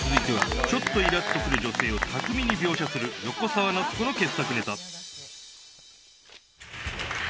皆さん、続いては、ちょっといらっとくる女性を巧みに描写する横澤夏子の傑作ネタ。